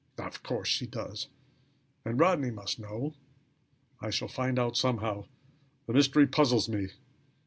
Of course she does. And Rodney must know. I shall find out somehow. The mystery puzzles me.